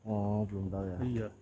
oh belum tahu ya